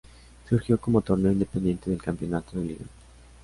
Surgió como torneo independiente del campeonato de Liga.